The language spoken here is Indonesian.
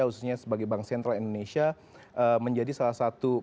khususnya sebagai bank sentral indonesia menjadi salah satu